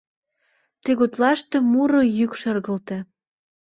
Тыгутлаште муро йӱк шергылте.